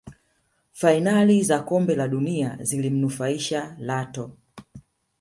fainali za kombe la dunia zilimunufaisha Lato